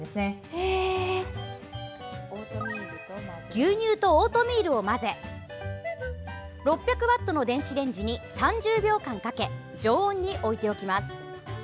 牛乳とオートミールを混ぜ６００ワットの電子レンジに３０秒間かけ常温に置いておきます。